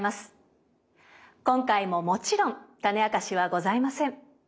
今回ももちろんタネあかしはございません。